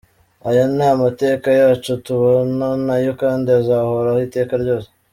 Aya ni amateka yacu, tubana nayo kandi azahoraho iteka ryose.